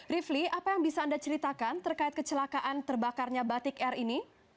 rifli apa yang bisa anda ceritakan terkait kecelakaan terbakarnya batik air ini